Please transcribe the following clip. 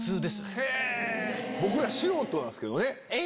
僕ら素人なんすけどね。